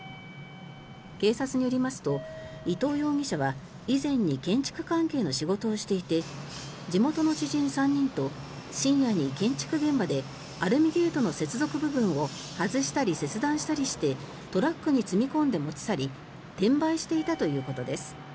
警察によりますと、伊藤容疑者は以前に建築関係の仕事をしていて地元の知人３人と深夜に建築現場でアルミゲートの接続部分を外したり、切断したりしてトラックに積み込んで持ち去り転売していたということです。